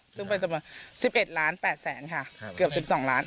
ซึ่งเป็นจำนวน๑๑ล้าน๘แสนค่ะเกือบ๑๒ล้าน